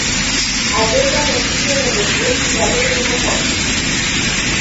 Acestea constituie negocieri și dialoguri importante.